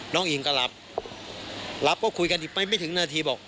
น้องอิงก็รับรับก็คุยกันไม่ถึงนาที